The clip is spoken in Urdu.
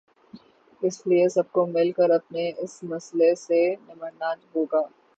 اس لیے سب کو مل کر اپنے اس مسئلے سے نمٹنا ہو گا۔